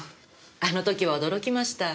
あの時は驚きました。